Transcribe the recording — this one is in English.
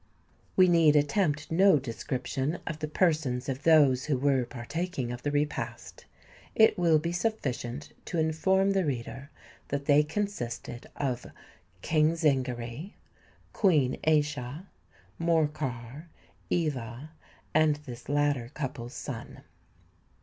We need attempt no description of the persons of those who were partaking of the repast: it will be sufficient to inform the reader that they consisted of King Zingary, Queen Aischa, Morcar, Eva, and this latter couple's son.